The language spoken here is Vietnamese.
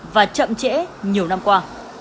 và chậm trễ nhiều năm qua